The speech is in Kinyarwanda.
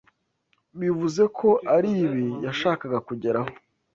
bivuze ko aribi yashakaga kugeraho